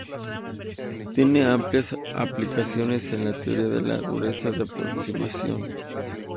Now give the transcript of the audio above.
Tiene amplias aplicaciones en la teoría de la dureza de aproximación.